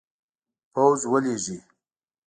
پوځ ولیږي.